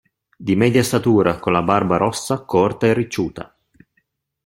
Di media statura, con la barba rossa, corta e ricciuta.